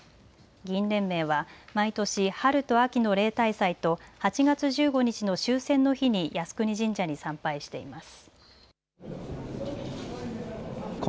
議員連盟は毎年、春と秋の例大祭と８月１５日の終戦の日に靖国神社に参拝しています。